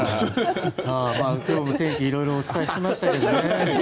今日も天気いろいろお伝えしましたけどね。